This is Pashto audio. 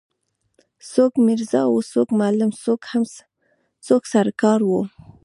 څوک میرزا وو څوک معلم وو څوک سر کار وو.